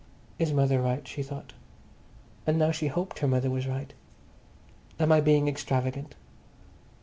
Is mother right? she thought. And now she hoped her mother was right. Am I being extravagant?